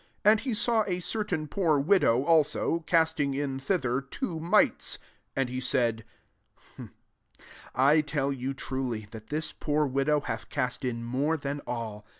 2 And he saw a certain poor widow [also,3 casting in thither, two mites. 3 And he said, <<I tell you truly, that this poor widow bath cast in more than all.